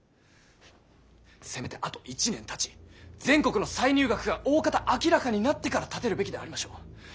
せめてあと１年たち全国の歳入額がおおかた明らかになってから立てるべきでありましょう。